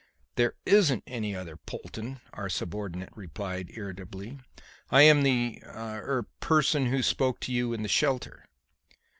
"There isn't any other Mr. Polton," our subordinate replied irritably. "I am the er person who spoke to you in the shelter."